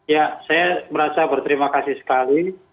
ya saya merasa berterima kasih sekali